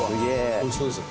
おいしそうでしょ。